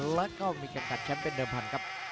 แล้วก็มีการขัดชัมเป็นเดิมพันครับ